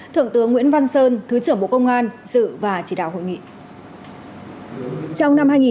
thượng tướng nguyễn văn sơn thứ trưởng bộ công an dự và chỉ đạo hội nghị